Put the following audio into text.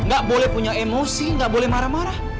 gak boleh punya emosi gak boleh marah marah